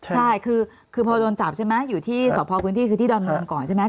ใช่คือพอโดนจับใช่ไหมอยู่ที่สพพื้นที่คือที่ดอนเมืองก่อนใช่ไหม